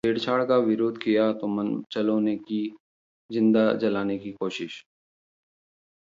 छेड़छाड़ का विरोध किया तो मनचलों ने की जिंदा जलाने की कोशिश